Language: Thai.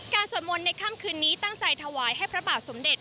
สวดมนต์ในค่ำคืนนี้ตั้งใจถวายให้พระบาทสมเด็จ